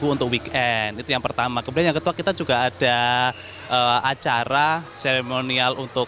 satu ratus sebelas untuk weekend itu yang pertama kemudian ketua kita juga ada acara seremonial untuk